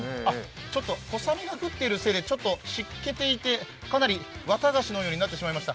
ちょっと小雨が降っているせいで、湿気て綿菓子のようになってしまいました。